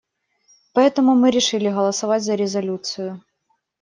Поэтому мы решили голосовать за резолюцию.